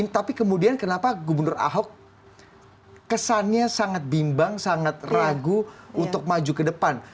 tapi kemudian kenapa gubernur ahok kesannya sangat bimbang sangat ragu untuk maju ke depan